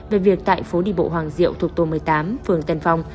về việc tại phố đi bộ hoàng diệu thuộc tổ một mươi tám phường tân phong